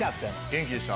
元気でした？